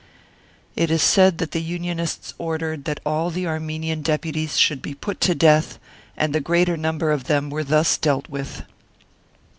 It is said that the Unionists ordered that all the Armenian Deputies should be put to death, and the greater number of them were thus dealt with.